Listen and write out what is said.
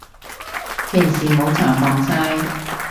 平時冇搽防曬